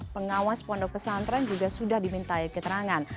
pengawas pondok pesantren juga sudah dimintai keterangan